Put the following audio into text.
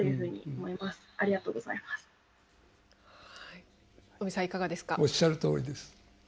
おっしゃるとおりです。